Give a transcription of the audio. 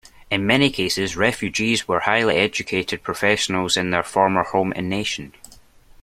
In many cases, Refugees were highly educated professionals in their former home nation.